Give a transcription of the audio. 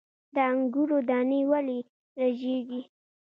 د انګورو دانې ولې رژیږي؟